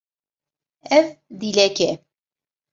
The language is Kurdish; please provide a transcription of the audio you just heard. Ew dilek e.